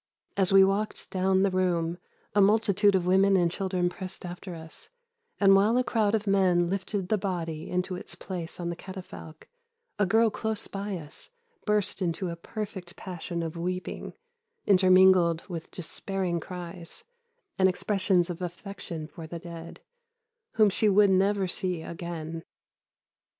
As we walked down the room a multitude of women and children pressed after us, and while a crowd of men lifted the body into its place on the catafalque, a girl close by us burst into a perfect passion of weeping, intermingled with despairing cries, and expressions of affection for the dead, whom she would never see again.